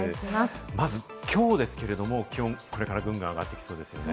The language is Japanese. まず、きょうですけれども、気温がこれからぐんぐん上がっていきますね。